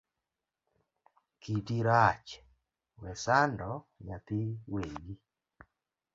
Kiti rach, we sando nyathi wegi